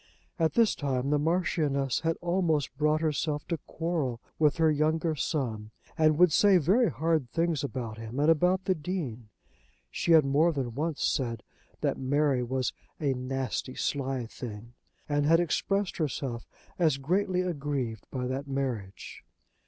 At this time the Marchioness had almost brought herself to quarrel with her younger son, and would say very hard things about him and about the Dean. She had more than once said that Mary was a "nasty sly thing," and had expressed herself as greatly aggrieved by that marriage.